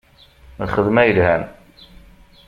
Lxedma yelhan.